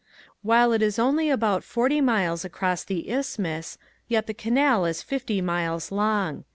While it is only about forty miles across the isthmus yet the canal is fifty miles long.